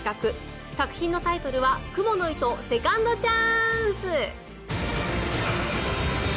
作品のタイトルは『蜘蛛の糸−セカンドチャーンス−！』。